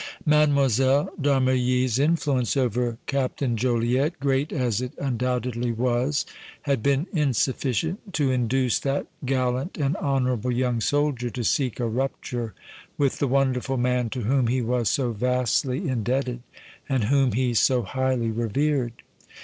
Mlle. d' Armilly's influence over Captain Joliette great as it undoubtedly was, had been insufficient to induce that gallant and honorable young soldier to seek a rupture with the wonderful man to whom he was so vastly indebted and whom he so highly revered.